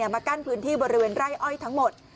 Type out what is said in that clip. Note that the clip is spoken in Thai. มากั้นพื้นที่บริเวณไร่อ้อยทั้งหมด